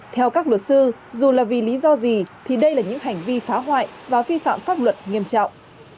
theo các luật sư dù là vì lý do gì thì đây là những hành vi phá hoại và vi phạm pháp luật nghiêm trọng